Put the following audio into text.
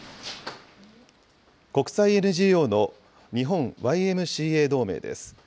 国際ＮＧＯの日本ＹＭＣＡ同盟です。